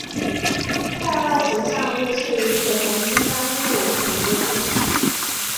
在外形上绿翅与绯红金刚鹦鹉很接近。